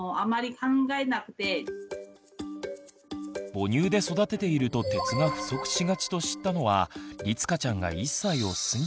母乳で育てていると鉄が不足しがちと知ったのはりつかちゃんが１歳を過ぎてから。